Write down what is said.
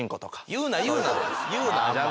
言うな言うな。